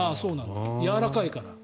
やわらかいから。